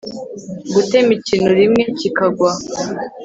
gutema ikintu rimwe kikagwa